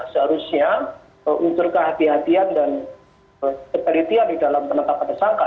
seharusnya unsur kehatian dan ketelitian di dalam penetapan tersangka